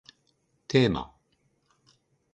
テーマ